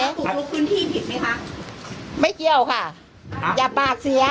ถูกลุกพื้นที่ผิดไหมคะไม่เกี่ยวค่ะอย่าปากเสีย